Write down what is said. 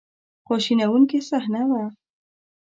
خواشینونکې صحنه وه.